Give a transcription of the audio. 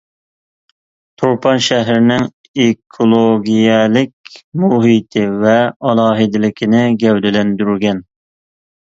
تۇرپان شەھىرىنىڭ ئېكولوگىيەلىك مۇھىتى ۋە ئالاھىدىلىكىنى گەۋدىلەندۈرگەن.